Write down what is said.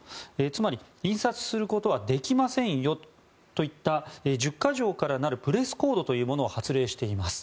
つまり、印刷することはできませんよといった１０か条からなるプレスコードというものを発令しています。